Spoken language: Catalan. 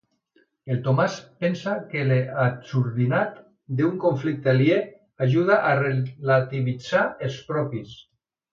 El Tomàs pensa que l'absurditat d'un conflicte aliè ajuda a relativitzar els propis.